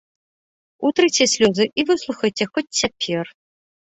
Утрыце слёзы і выслухайце хоць цяпер.